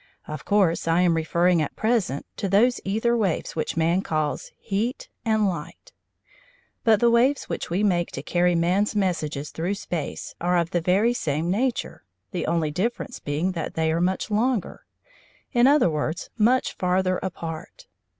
Of course I am referring at present to those æther waves which man calls heat and light. But the waves which we make to carry man's messages through space are of the very same nature, the only difference being that they are much longer, or, in other words, much farther apart.